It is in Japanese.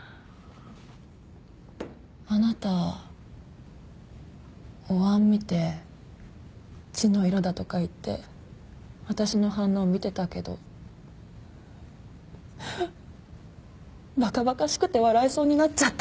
あなたおわん見て血の色だとか言って私の反応見てたけどバカバカしくて笑いそうになっちゃった。